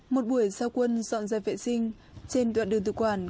một buổi giao quân dọn dẹp vệ sinh trên đoạn đường tự quản